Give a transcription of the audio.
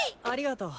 ありがとう。